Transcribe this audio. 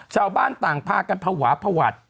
ชาวบ้านต่างพากันภาวะพวัด